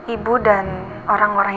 ibu dan orang orang